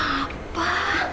gak ada apa apa